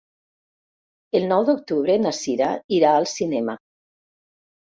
El nou d'octubre na Cira irà al cinema.